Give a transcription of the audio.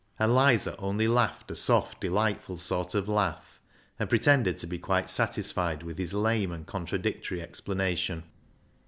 And Lizer only laughed a soft delightful sort of laugh, and pretended to be quite satisfied with his lame and contradictory explanation.